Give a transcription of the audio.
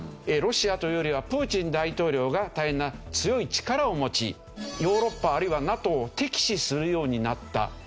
ロシアというよりはプーチン大統領が大変な強い力を持ちヨーロッパあるいはＮＡＴＯを敵視するようになった。